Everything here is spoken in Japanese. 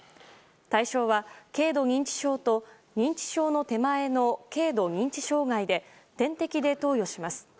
対象は軽度認知症と認知症の手前の軽度認知障害で点滴で投与します。